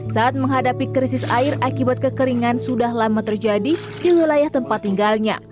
saat menghadapi krisis air akibat kekeringan sudah lama terjadi di wilayah tempat tinggalnya